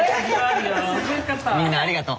みんなありがとう！